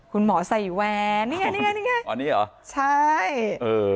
คุณหมอใส่แวร์นี่ไงนี่ไงนี่ไงอ๋อนี่เหรอใช่เออ